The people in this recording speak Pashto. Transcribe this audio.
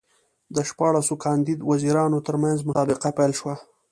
د شپاړسو کاندید وزیرانو ترمنځ مسابقه پیل شوه.